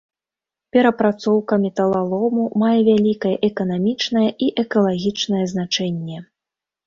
Перапрацоўка металалому мае вялікае эканамічнае і экалагічнае значэнне.